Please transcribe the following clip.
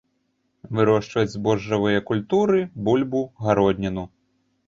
Вырошчваюць збожжавыя культуры, бульбу, гародніну.